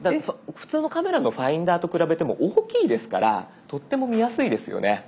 普通のカメラのファインダーと比べても大きいですからとっても見やすいですよね。